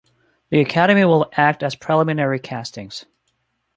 The academy will act as preliminary castings.